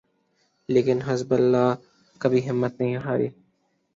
لیکن Hezbollah کبھی ہمت نہیں ہاری۔